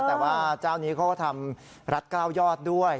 แต่ว่าเจ้านี้เขาก็ทำรัฐ๙ยอดด้วย